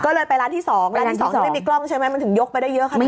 ก็เลยไปร้านที่๒ร้านที่๒ไม่มีกล้องใช่ไหมมันถึงยกไปได้เยอะขนาดนี้